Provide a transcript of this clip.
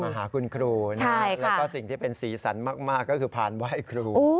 หาคุณครูนะครับแล้วก็สิ่งที่เป็นสีสันมากก็คือพานไหว้ครู